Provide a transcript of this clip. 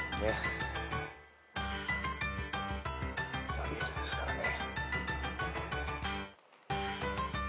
ザビエルですからね。